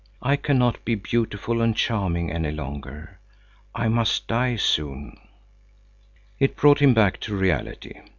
I cannot be beautiful and charming any longer. I must die soon." It brought him back to reality.